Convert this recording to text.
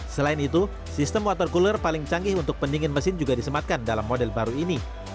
selain itu sistem water cooler paling canggih untuk pendingin mesin juga disematkan dalam model baru ini